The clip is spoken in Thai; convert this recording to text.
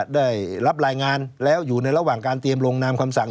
ได้รับรายงานแล้วอยู่ในระหว่างการเตรียมลงนามคำสั่ง